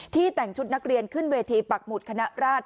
แต่งชุดนักเรียนขึ้นเวทีปักหมุดคณะราช